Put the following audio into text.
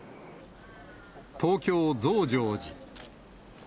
東京・増上寺。